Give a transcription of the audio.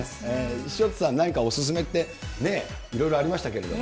潮田さん、なんかお勧めって、いろいろありましたけれども。